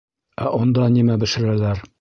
Ә ондан нимә бешерәләр?